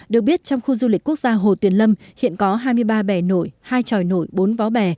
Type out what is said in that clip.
được biết trong khu du lịch quốc gia hồ tuyền lâm hiện có hai mươi ba bè nổi hai tròi nổi bốn vó bè